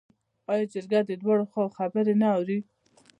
آیا جرګه د دواړو خواوو خبرې نه اوري؟